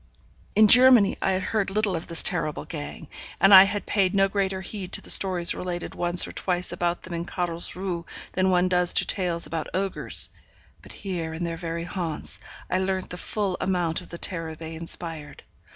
In Germany, I had heard little of this terrible gang, and I had paid no greater heed to the stories related once or twice about them in Carlsruhe than one does to tales about ogres. But here in their very haunts, I learnt the full amount of the terror they inspired.